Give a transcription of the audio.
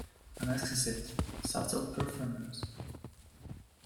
An exquisite, subtle performance.